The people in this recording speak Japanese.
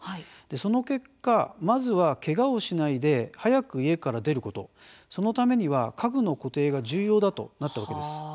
その結果まずは、けがをしないで早く家から出ることそのためには家具の固定が重要だとなったわけです。